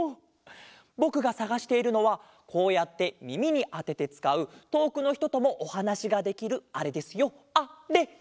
ぼくがさがしているのはこうやってみみにあててつかうとおくのひとともおはなしができるあれですよあれ！